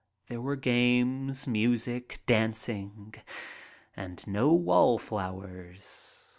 There were games, music, dancing. And no wall flowers.